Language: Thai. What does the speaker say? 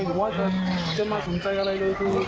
หรือว่าจะจำได้สนใจอะไรเลยพี่